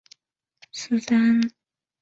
南长翼蝠为蝙蝠科长翼蝠属的动物。